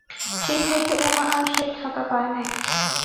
সেই হইতে উমা আর সে খাতা পায় নাই।